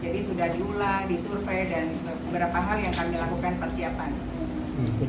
jadi sudah diulang disurvey dan beberapa hal yang kami lakukan persiapan